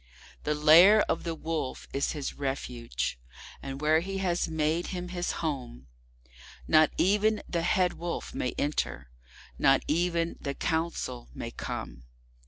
The Lair of the Wolf is his refuge, and where he has made him his home, Not even the Head Wolf may enter, not even the Council may come.